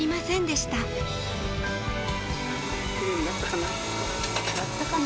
・なったかな？